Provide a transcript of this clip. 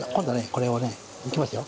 これをねいきますよ。